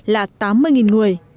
là tám mươi người